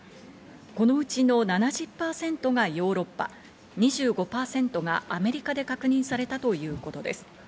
このうちの７０％がヨーロッパ、２５％がアメリカで確認されたということです。